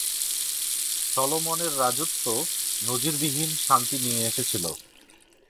শলোমনের রাজত্ব নজিরবিহীন শান্তি নিয়ে এসেছিল।